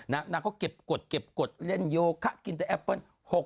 นางก็เก็บกฎเก็บกฎเล่นโยคะกินแต่แอปเปิ้ล